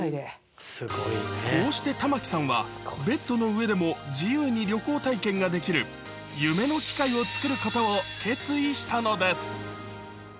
こうして玉城さんは、ベッドの上でも自由に旅行体験ができる、夢の機械を作ることを決意したのです。